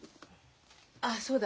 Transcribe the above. あっそうだ。